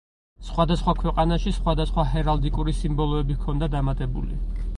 სხვადასხვა ქვეყანაში სხვადასხვა ჰერალდიკური სიმბოლოები ჰქონდა დამატებული.